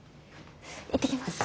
行ってきます。